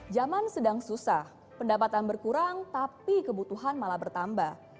zaman sedang susah pendapatan berkurang tapi kebutuhan malah bertambah